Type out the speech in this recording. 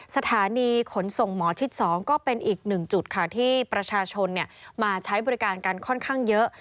สถานีขนส่งหมอชิด๒ก็เป็นอีกหนึ่งจุดค่ะที่ประชาชนมาใช้บริการกันค่อนข้างเยอะ